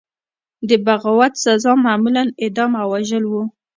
د بغاوت سزا معمولا اعدام او وژل وو.